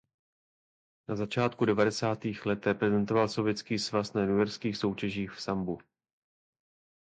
Na začátku devadesátých let reprezentoval Sovětský svaz na juniorských soutěžích v sambu.